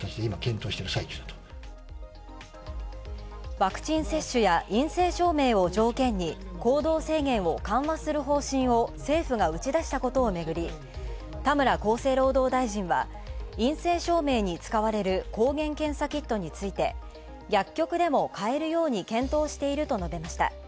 ワクチン接種や陰性証明を条件に行動制限を緩和する方針を政府が打ち出したことをめぐり、田村厚生労働大臣は陰性証明に使われる抗原検査キットについて、薬局でも買えるように検討していると述べました。